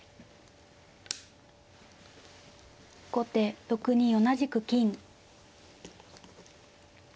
後手６二同じく金。